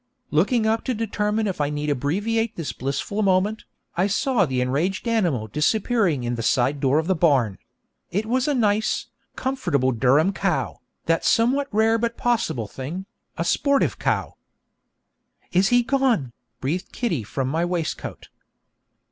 Looking up to determine if I need abbreviate this blissful moment, I saw the enraged animal disappearing in the side door of the barn; and it was a nice, comfortable Durham cow, that somewhat rare but possible thing a sportive cow. 'Is he gone?' breathed Kitty from my waistcoat.